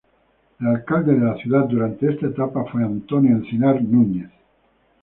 El alcalde de la ciudad durante esta etapa fue Antonio Encinar Núñez.